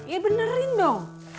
ya benerin dong